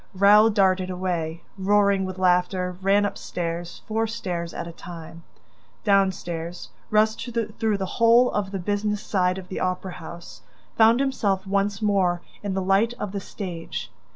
Raoul darted away, roaring with anger, ran up stairs, four stairs at a time, down stairs, rushed through the whole of the business side of the opera house, found himself once more in the light of the stage.